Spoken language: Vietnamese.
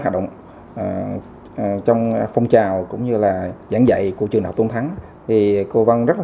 hoạt động trong phong trào cũng như là giảng dạy của trường đại học tôn thắng thì cô văn rất là